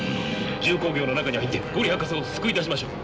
重工業の中に入って五里博士を救い出しましょう。